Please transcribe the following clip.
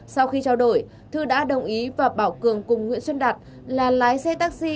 sau khi trao đổi thư đã đồng ý và bảo cường cùng nguyễn xuân đạt là lái xe taxi